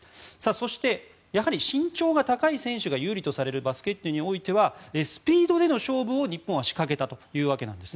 そして、やはり身長が高い選手が有利とされるバスケットにおいてはスピードでの勝負を日本は仕掛けたというわけです。